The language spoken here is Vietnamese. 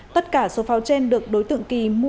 tất cả số pháo trên được đối tượng kỳ mua